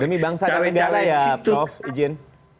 demi bangsa dan negara ya prof izin